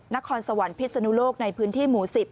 นครสวรรค์พิศนุโลกในพื้นที่หมู่๑๐